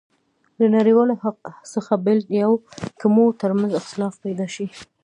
له نړیوالو څخه بېل یو، که مو ترمنځ اختلافات پيدا شي.